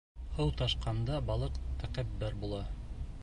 Һыу ташҡанда балыҡ тәкәббер була.